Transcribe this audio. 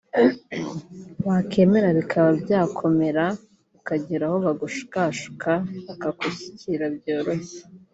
wakwemera bikaba byazakomera ukagera aho ushukwashukwa bakagushyikira byoroshye